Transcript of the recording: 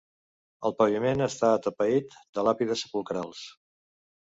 El paviment està atapeït de làpides sepulcrals.